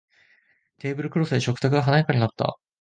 テーブルクロスで食卓が華やかになった